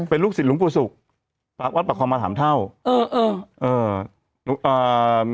เป็นลูกศิษย์หลวงปู่ศุกร์วัดประคองมาสามเท่าเออเออเอ่ออ่า